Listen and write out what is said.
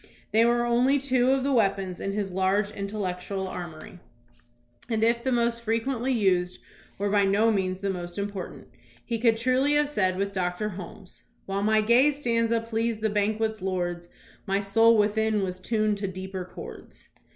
They were only two of the weapons in his large intellectual ar 202 THOMAS BRACKETT REED mory, and, if the most frequently used, were by no means the most important. He could truly have said with Doctor Holmes: "While my gay stanza pleased the banquet's lords. My soul within was tuned to deeper chords.'